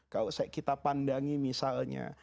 kalau kita pandangi misalnya